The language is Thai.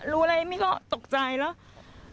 รู้อะไรเอมมี่ก็ตกใจแล้ว